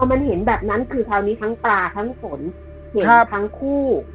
มันเห็นแบบนั้นคือคราวนี้ทั้งปลาทั้งฝนเห็นทั้งคู่